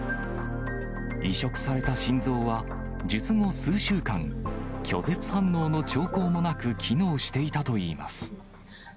移植された心臓は、術後数週間、拒絶反応の兆候もなく機能していたといいます。